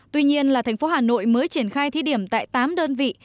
tuy nhiên là thành phố hà nội mới triển khai thí điểm tại tám đơn vị